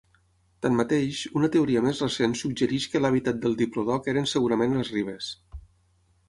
Tanmateix, una teoria més recent suggereix que l'hàbitat del diplodoc eren segurament les ribes.